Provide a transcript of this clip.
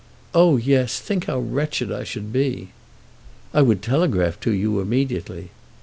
"Oh, yes. Think how wretched I should be." "I would telegraph to you immediately."